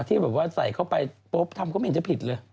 ที่แบบว่าใส่เข้าไปปุ๊บทำก็ไม่เห็นจะผิดเลย